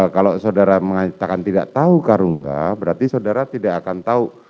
kalau saudara mengatakan tidak tahu karungga berarti saudara tidak akan tahu